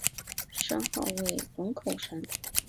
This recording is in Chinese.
山号为龙口山。